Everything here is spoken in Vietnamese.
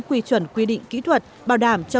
quy chuẩn quy định kỹ thuật bảo đảm cho